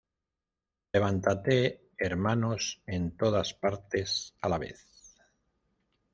Levántate, hermanos, en todas partes a la vez!